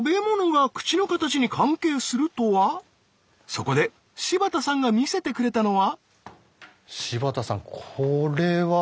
そこで柴田さんが見せてくれたのは。